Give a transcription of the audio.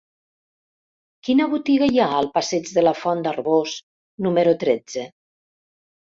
Quina botiga hi ha al passeig de la Font d'Arboç número tretze?